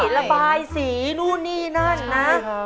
ระบายสีนู่นนี่นั่นนะ